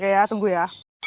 oke ya tunggu ya